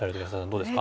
どうですか？